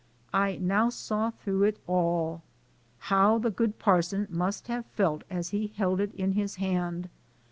I now saw through it all. How the good parson must have felt as he held it in his hand!